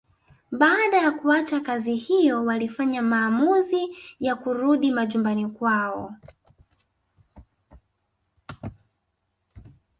Baada ya kuacha kazi hiyo walifanya maamuzi ya kurudi majumbani kwao